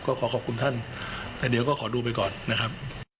ก็ขอขอบคุณท่านแต่เดี๋ยวก็ขอดูไปก่อนนะครับ